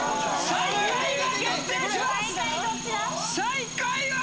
最下位は！？